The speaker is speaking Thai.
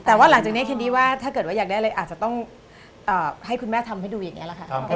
แต่ว่าหลังจากนี้แคนดี้ว่าถ้าเกิดว่าอยากได้อะไรอาจจะต้องให้คุณแม่ทำให้ดูอย่างนี้แหละค่ะ